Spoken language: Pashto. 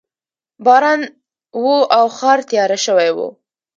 باران و او ښار تیاره شوی و